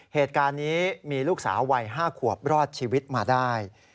เหตุการณ์นี้มีลูกสาววัย๕ขวบรอดชีวิตมาได้